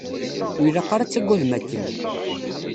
Ur ilaq ara ad tagadem akkenni.